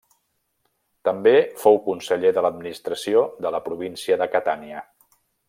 També fou conseller de l'administració de la província de Catània.